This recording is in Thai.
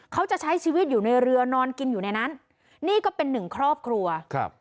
เขาจะใช้ชีวิตอยู่ในเรือนอนกินอยู่ในนั้นนี่ก็เป็นหนึ่งครอบครัวครับ